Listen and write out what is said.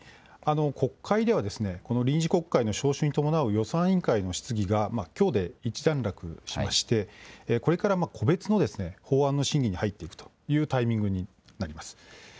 国会ではこの臨時国会の召集に伴う予算委員会の質疑がきょうで一段落しまして、これから個別の法案の審議に入っていくというタイミングになります。